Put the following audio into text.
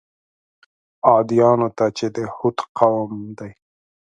عادیانو ته چې د هود قوم دی.